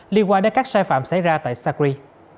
liên quan đến các sai phạm xảy ra tại sacri